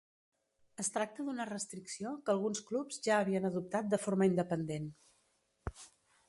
Es tracta d’una restricció que alguns clubs ja havien adoptat de forma independent.